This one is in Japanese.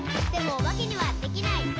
「でもおばけにはできない。」